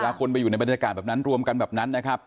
คนไปอยู่ในบรรยากาศแบบนั้นรวมกันแบบนั้นนะครับ